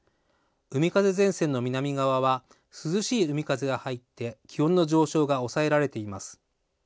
海風前線の南側は涼しい海風が入って気温の上昇が抑えられています。